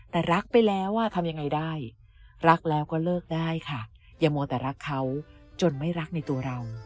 แต่รักไปแล้วทำยังไงได้รักแล้วก็เลิกได้ค่ะอย่ามัวแต่รักเขาจนไม่รักในตัวเรา